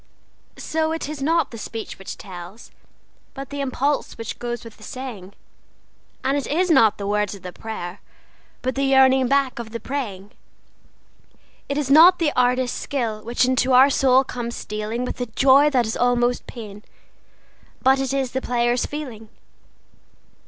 So it is not the speech which tells, but the impulse which goes with the saying; And it is not the words of the prayer, but the yearning back of the praying. It is not the artist's skill which into our soul comes stealing With a joy that is almost pain, but it is the player's feeling.